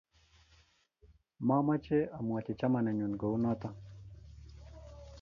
Mamache amwachi chamanenyun kou notok